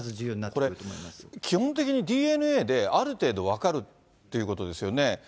これ、基本的にＤＮＡで、ある程度分かるっていうことですよね。